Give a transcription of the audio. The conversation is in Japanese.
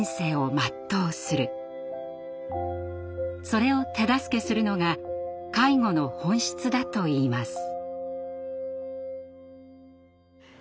それを手助けするのが介護の本質だといいます。